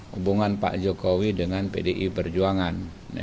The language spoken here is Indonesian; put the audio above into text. hubungan pak jokowi dengan pdi perjuangan